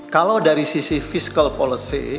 kalau dari sisi fiscal policy